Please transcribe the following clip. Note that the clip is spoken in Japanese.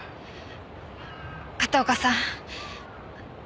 片岡さん私。